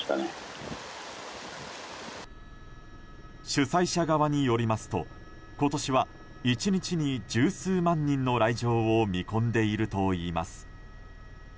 主催者側によりますと今年は１日に十数万人の来場を見込んでいるといいます。